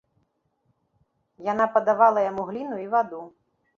Яна падавала яму гліну і ваду.